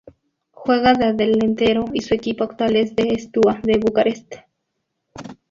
Juega de delantero y su equipo actual es el Steaua de Bucarest.